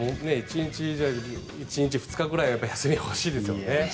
１日２日ぐらいは休みが欲しいですよね。